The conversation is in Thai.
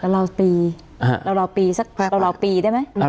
ราวปีสักประมาณ